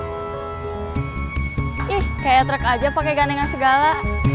ih kayak truk aja pakai gandengan segala